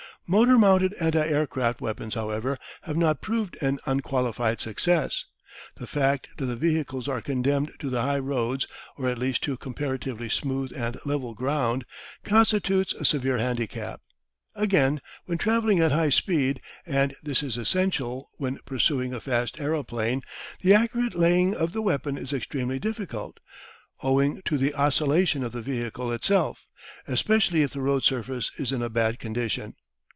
Motor mounted anti aircraft weapons, however, have not proved an unqualified success. The fact that the vehicles are condemned to the high roads, or at least to comparatively smooth and level ground, constitutes a severe handicap. Again, when travelling at high speed, and this is essential when pursuing a fast aeroplane, the accurate laying of the weapon is extremely difficult, owing to the oscillation of the vehicle itself, especially if the road surface is in a bad condition.